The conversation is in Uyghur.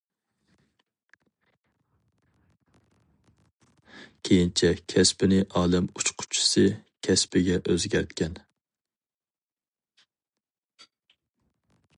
كېيىنچە كەسپىنى ئالەم ئۇچقۇچىسى كەسپىگە ئۆزگەرتكەن.